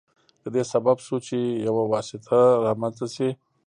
د دې سبب شو چې یو واسطه رامنځته شي.